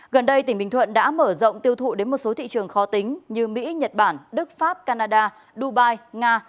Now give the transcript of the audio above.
gần đây tỉnh bình thuận đã mở rộng tiêu thụ đến một số thị trường khó tính như mỹ nhật bản đức pháp canada dubai nga